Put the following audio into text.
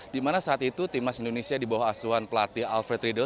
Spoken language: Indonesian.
di mana saat itu tim nasional indonesia dibawah asuhan pelatih alfred riedel